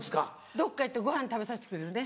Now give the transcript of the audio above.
どっか行ってごはん食べさせてくれるね。